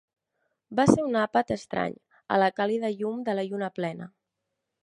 Va ser un àpat estrany, a la càlida llum de la lluna plena.